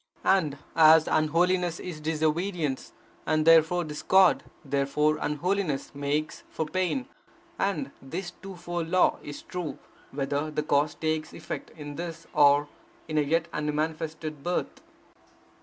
And as unholiness is disobedience, and therefore discord, therefore unholiness makes for pain; and this two fold law is true, whether the cause take effect in this, or in a yet unmanifested birth.